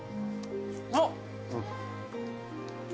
あっ。